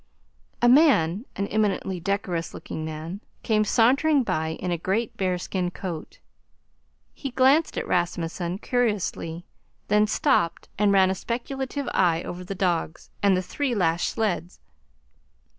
A man, an eminently decorous looking man, came sauntering by in a great bearskin coat. He glanced at Rasmunsen curiously, then stopped and ran a speculative eye over the dogs and the three lashed sleds.